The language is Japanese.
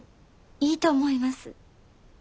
いいと思います。